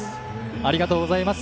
ありがとうございます。